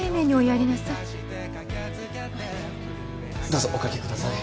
どうぞお掛けください。